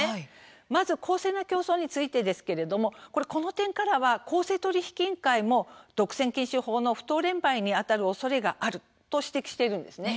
まず公正な競争についてですがこの点からは公正取引委員会も独占禁止法の不当廉売にあたるおそれがあると指摘しているんです。